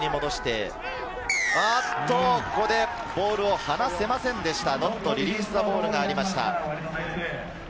ボールを放せませんでした、ノットリリースザボールがありました。